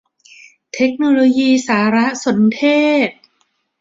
เทคโนโลยีสารสนเทศ